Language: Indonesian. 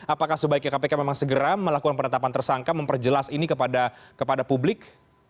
apakah sebaiknya kpk memang segera melakukan penetapan tersangka memperjelas ini kepada publik